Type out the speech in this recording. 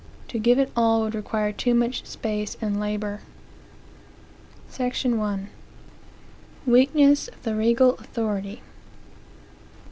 To give it all would require too much space and labor SECTION I Weakness of the Regal Authority.